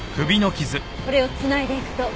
これを繋いでいくと。